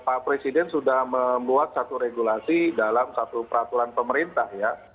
pak presiden sudah membuat satu regulasi dalam satu peraturan pemerintah ya